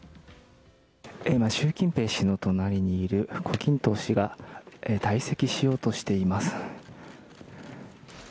今、習近平氏の隣にいる胡錦涛氏が退席しようとしています。